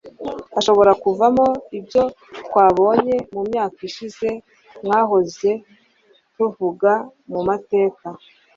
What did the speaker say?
ashobora kuvamo ibyo twabonye mu myaka ishize mwahoze tuvuga mu mateka